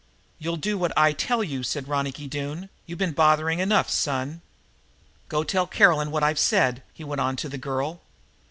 "You'll do what I tell you," said Ronicky Doone. "You been bothering enough, son. Go tell Caroline what I've said," he went on to the girl.